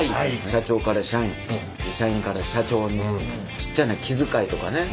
社長から社員社員から社長にちっちゃな気遣いとかね